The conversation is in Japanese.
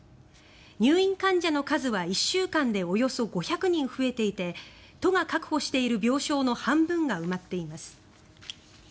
入院患者の数は、１週間でおよそ５００人増えていて都が確保している病床の半分が埋まっています。